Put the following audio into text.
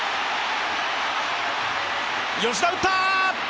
吉田打った！